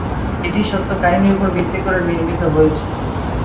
এটি সত্য কাহিনীর উপর ভিত্তি করে নির্মীত হয়েছে।